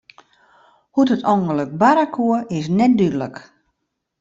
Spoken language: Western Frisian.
Hoe't it ûngelok barre koe, is net dúdlik.